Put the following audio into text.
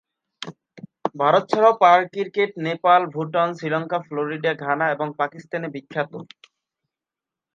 ভারত ছাড়াও পায়ের cricket Nepal, Bhutan, Sri Lanka, Florida, Ghana এবং পাকিস্তানে বিখ্যাত।